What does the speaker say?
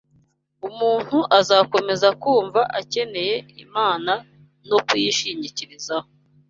Umuntu azakomeza kumva akeneye Imana no kuyishingikirizaho